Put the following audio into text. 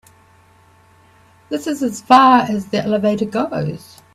This is as far as the elevator goes.